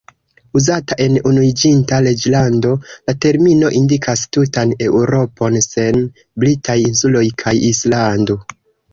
Uzata en Unuiĝinta Reĝlando, la termino indikas tutan Eŭropon, sen Britaj Insuloj kaj Islando.